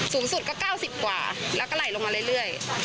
สูงสุดก็๙๐กว่าแล้วก็ไหลลงมาเรื่อย